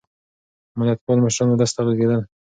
ملتپال مشران ولس ته غږېدل.